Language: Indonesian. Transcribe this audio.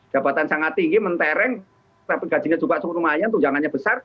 jabatan sangat tinggi mentereng tapi gajinya juga cukup lumayan tunjangannya besar